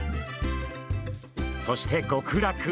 そして「極楽」。